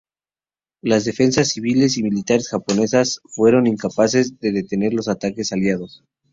Las defensas civiles y militares japonesas fueron incapaces de detener los ataques aliados.